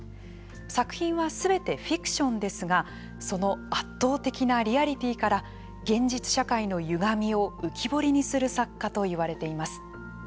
作品はすべてフィクションですがその圧倒的なリアリティーから現実社会のゆがみを浮き彫りにする作家といわれています。